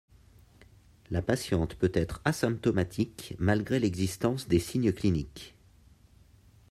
La patiente peut être asymptomatique malgré l’existence des signes cliniques.